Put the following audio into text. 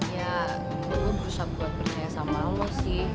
ya lu berusaha buat percaya sama lo sih